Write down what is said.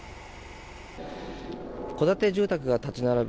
戸建て住宅が立ち並ぶ